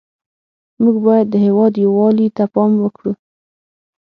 موږ باید د هېواد یووالي ته پام وکړو